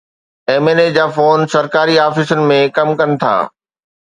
M N A جا phone سرڪاري آفيسن ۾ ڪم ڪن ٿا.